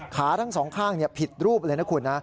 ขาทั้ง๒ข้างผิดรูปเลยนะครับคุณ